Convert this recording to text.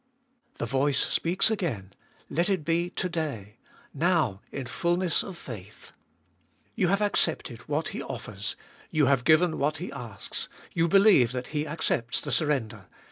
The voice speaks again : Let it be To day — Now, in fulness of 376 abe Doltest of ait faith. You have accepted what He offers. You have given what he asks. You believe that He accepts the surrender.